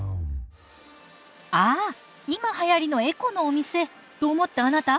ああ今はやりのエコのお店と思ったあなた。